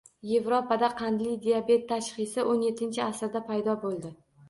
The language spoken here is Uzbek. Evropada “qandli diabet” tashxisi o'n yettinchi asrda paydo bo‘ldi